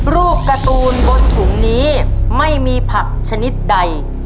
รูปการ์ตูนบนถุงนี้ไม่มีผักชนิดใด